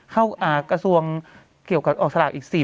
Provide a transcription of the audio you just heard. เข้ากระทรวงเกี่ยวกับออกสลากอีก๔